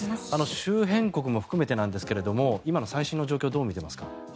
周辺国も含めて今の最新の状況をどう見ていますか？